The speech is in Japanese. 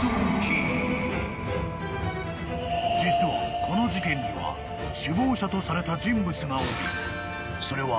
［実はこの事件には首謀者とされた人物がおりそれは］